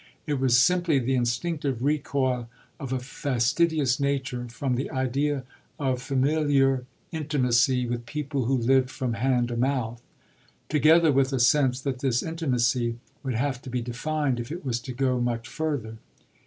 It was simply the instinctive recoil of a fastidious nature from the idea of familiar intimacy with people who lived from hand to mouth, together with a sense that this intimacy would have to be defined if it was to go much further.